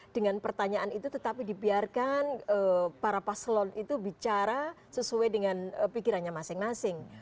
dengan pertanyaan itu tetapi dibiarkan para paslon itu bicara sesuai dengan pikirannya masing masing